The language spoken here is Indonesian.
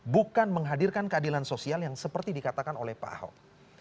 bukan menghadirkan keadilan sosial yang seperti dikatakan oleh pak ahok